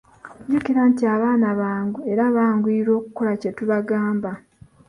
Jjukira nti abaana bangu era banguyirwa okukola kye tubangamba.